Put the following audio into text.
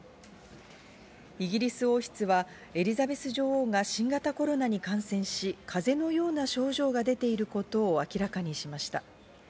イギリス王室はエリザベス女王が新型コロナに感染し、風邪のような症状が出ていることを明らかにしました。